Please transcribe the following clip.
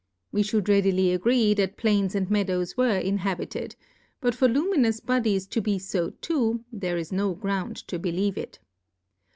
We fliould readily agree that Plains and Meadows were Inhabited ; but for Luminous Bo dies to be fo too^ there is no Ground to be lieve it.